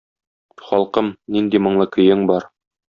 Халкым, нинди моңлы көең бар.